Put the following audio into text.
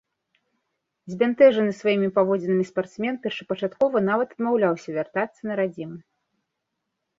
Збянтэжаны сваім паводзінамі спартсмен, першапачаткова, нават адмаўляўся вяртацца на радзіму.